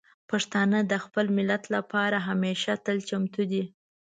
پښتانه د خپل ملت لپاره همیشه تل چمتو دي.